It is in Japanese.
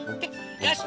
よし！